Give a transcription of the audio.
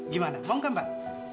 gimana mau kan pak